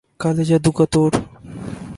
کالے جادو کا توڑ